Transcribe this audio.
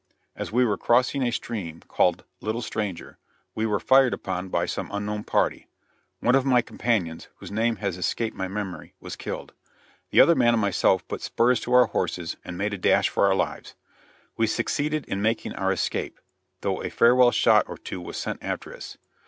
As we were crossing a stream called Little Stranger, we were fired upon by some unknown party; one of my companions, whose name has escaped my memory, was killed. The other man and myself put spurs to our horses and made a dash for our lives. We succeeded in making our escape, though a farewell shot or two was sent after us.